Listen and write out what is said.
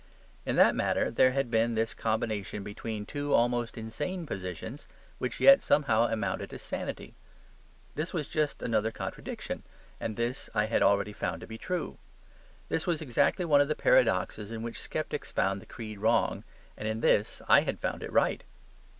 In that matter there had been this combination between two almost insane positions which yet somehow amounted to sanity. This was just such another contradiction; and this I had already found to be true. This was exactly one of the paradoxes in which sceptics found the creed wrong; and in this I had found it right.